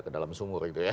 ke dalam sumur gitu ya